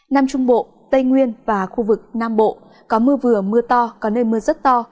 nam trung bộ tây nguyên và khu vực nam bộ có mưa vừa mưa to có nơi mưa rất to